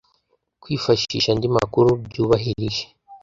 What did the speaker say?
Kwifashisha andi makuru byubahirije